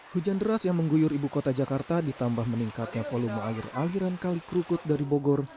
hujan deras yang mengguyur ibu kota jakarta ditambah meningkatnya volume air aliran kali kerukut dari bogor